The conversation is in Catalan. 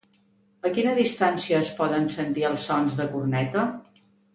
A quina distància es poden sentir els sons de corneta?